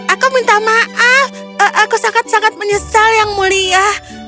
aku minta maaf aku sangat sangat menyesal yang mulia